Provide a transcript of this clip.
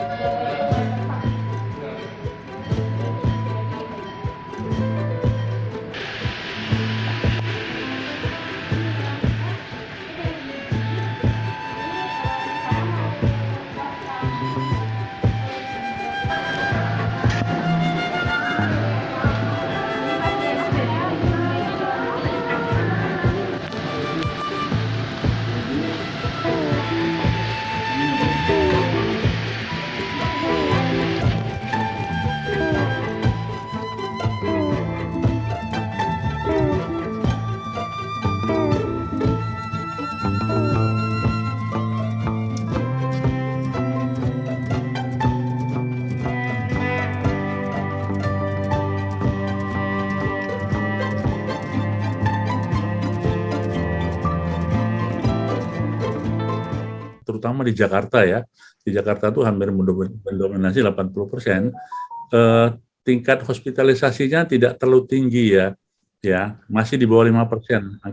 kisah kisah yang terjadi di jepang